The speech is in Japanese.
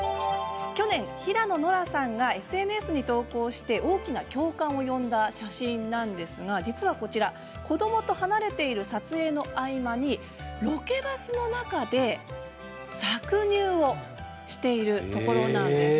去年、平野ノラさんがＳＮＳに投稿して大きな共感を呼んだ写真なんですが実はこちら、子どもと離れている撮影の合間にロケバスの中で搾乳をしているところなんです。